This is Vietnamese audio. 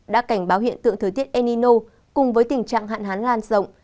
đã cảnh báo hiện tượng thời tiết enino cùng với tình trạng hạn hán lan rộng